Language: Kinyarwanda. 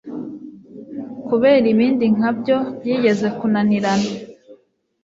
kubera ibindi nkabyo byigeze kunanirana